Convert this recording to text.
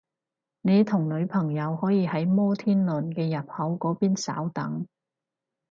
你同女朋友可以喺摩天輪嘅入口嗰邊稍等